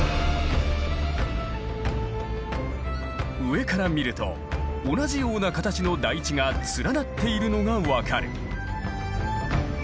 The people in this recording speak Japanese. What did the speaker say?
上から見ると同じような形の台地が連なっているのが分かる。